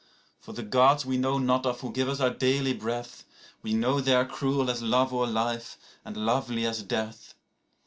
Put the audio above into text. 11For the Gods we know not of, who give us our daily breath,12We know they are cruel as love or life, and lovely as death.